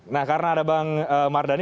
nah karena ada bang mardhani